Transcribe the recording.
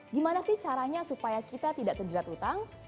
gimana sih caranya supaya kita tidak terjerat utang